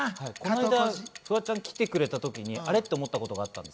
この間、フワちゃん来てくれた時にあれ？っと思ったことがあったんです。